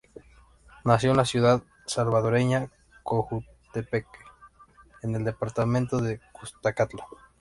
Nació en la ciudad salvadoreña Cojutepeque, en el departamento de Cuscatlán.